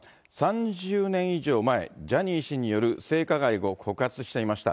３０年以上前、ジャニー氏による性加害を告発していました。